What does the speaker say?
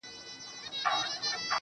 o زه خو د وخت د بـلاگـانـــو اشـنا.